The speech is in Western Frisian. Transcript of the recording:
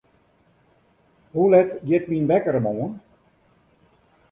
Hoe let giet myn wekker moarn?